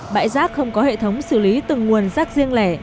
bãi rác không có hệ thống xử lý từng nguồn rác riêng lẻ